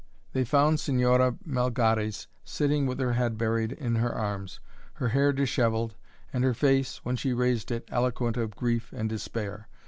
They found Señora Melgares sitting with her head buried in her arms, her hair dishevelled, and her face, when she raised it, eloquent of grief and despair.